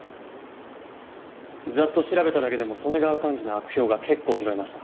ざっと調べただけでも利根川寛二の悪評が結構拾えました。